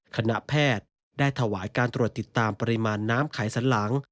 คณะแพทย์ได้ถวายการตรวจติดตามปริมาณน้ำไขสันหลัง